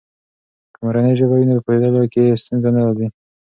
که مورنۍ ژبه وي، نو پوهیدلو کې ستونزې نه راځي.